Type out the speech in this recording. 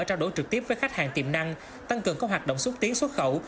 trao đổi trực tiếp với khách hàng tiềm năng tăng cường các hoạt động xúc tiến xuất khẩu